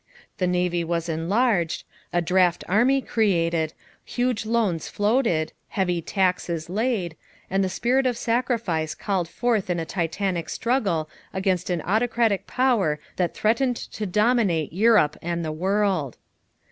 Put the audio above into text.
The navy was enlarged, a draft army created, huge loans floated, heavy taxes laid, and the spirit of sacrifice called forth in a titanic struggle against an autocratic power that threatened to dominate Europe and the World.